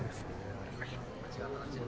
あちらの。